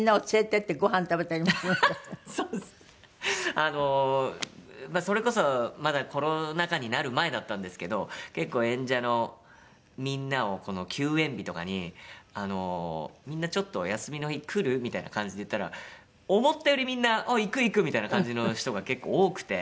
あのまあそれこそまだコロナ禍になる前だったんですけど結構演者のみんなを休演日とかに「みんなちょっとお休みの日来る？」みたいな感じで言ったら思ったよりみんな「行く行く！」みたいな感じの人が結構多くて。